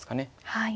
はい。